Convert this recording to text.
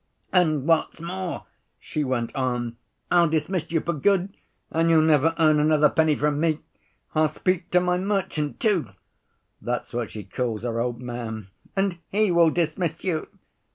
'And what's more,' she went on, 'I'll dismiss you for good and you'll never earn another penny from me. I'll speak to my merchant too' (that's what she calls her old man) 'and he will dismiss you!